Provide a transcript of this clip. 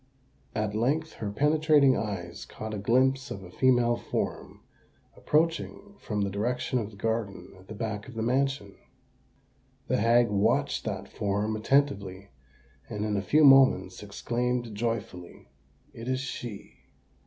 At length her penetrating eyes caught a glimpse of a female form approaching from the direction of the garden at the back of the mansion. The hag watched that form attentively, and in a few moments exclaimed joyfully, "It is she!"